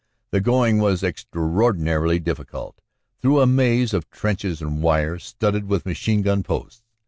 The going was extraordinarily diffi cult, through a maze of trenches and wire, studded with machine gun posts.